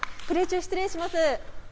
プレー中、失礼します。